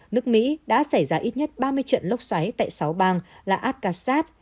nước mỹ đã xảy ra ít nhất ba mươi trận lốc xoáy tại sáu bang là al qasad